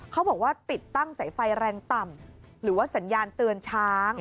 เขาบอกว่าติดตั้งสายไฟแรงต่ำหรือว่าสัญญาณเตือนช้าง